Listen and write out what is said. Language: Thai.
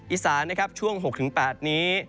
อิสานช่วง๖๘นี้